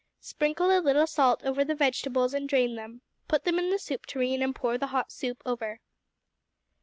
Sprinkle a little salt over the vegetables and drain them; put them in the soup tureen and pour the hot soup over.